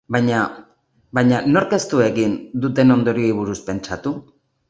Baina, inork ez du egin duten ondorioei buruz pentsatu?